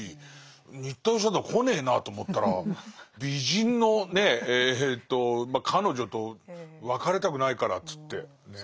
新田義貞来ねえなと思ったら美人のねえと彼女と別れたくないからっつってね。